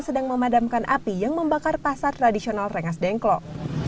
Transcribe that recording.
sedang memadamkan api yang membakar pasar tradisional rengas dengklok